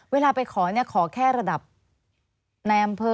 เวลาไปขอขอแค่ระดับในอำเภอ